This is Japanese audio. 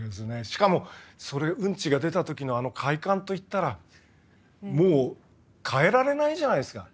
しかもそれうんちが出た時のあの快感といったらもうかえられないじゃないですか。